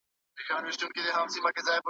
که ته پوهېږې دا دې قدر زياتوومه